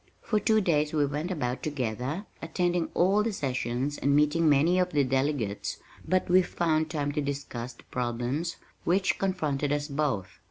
For two days we went about together, attending all the sessions and meeting many of the delegates, but we found time to discuss the problems which confronted us both.